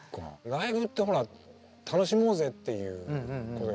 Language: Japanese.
ライブってほら楽しもうぜっていうあるじゃん。